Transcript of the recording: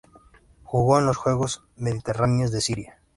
Jugó en los Juegos Mediterráneos de Siria.